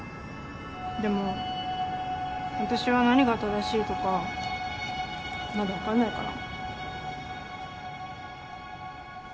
でも私は何が正しいとかまだ分かんないかな。